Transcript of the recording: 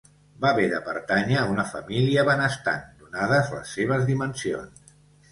Va haver de pertànyer a una família benestant, donades les seves dimensions.